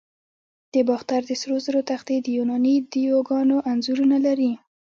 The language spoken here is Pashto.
د باختر د سرو زرو تختې د یوناني دیوگانو انځورونه لري